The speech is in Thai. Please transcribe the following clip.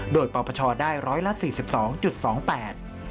โดยปพได้๑๔๒๒๘บาท